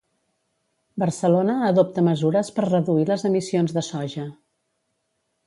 Barcelona adopta mesures per reduir les emissions de soja.